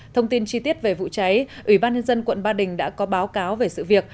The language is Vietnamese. thông tin chi tiết về vụ cháy ủy ban nhân dân quận ba đình đã có báo cáo về sự việc